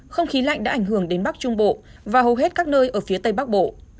không khí lạnh đã ảnh hưởng đến bắc trung bộ và hầu hết các nơi ở phía tây bắc bộ